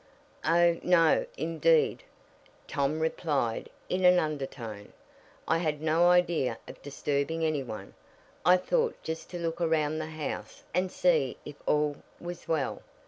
"Oh, no, indeed," Tom replied in an undertone. "I had no idea of disturbing any one. I thought just to look around the house and see if all was well.